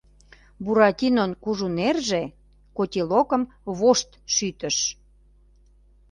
Буратинон кужу нерже котелокым вошт шӱтыш.